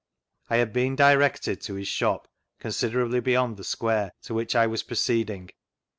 I had been directed to his shop, considerably beyond the square, to which I was pro ceeding.